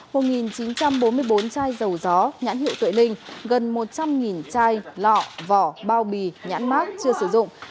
một chín trăm bốn mươi bốn chai dầu gió nhãn hiệu tuệ linh gần một trăm linh chai lọ vỏ bao bì nhãn mát chưa sử dụng